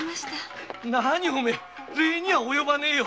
なに礼には及ばねえよ。